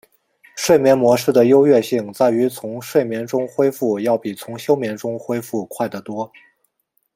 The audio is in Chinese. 睡眠模式的优越性在于从睡眠中恢复要比从休眠中恢复快得多。